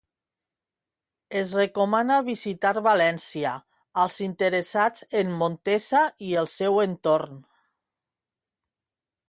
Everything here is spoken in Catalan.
Es recomana visitar València als interessats en Montesa i el seu entorn.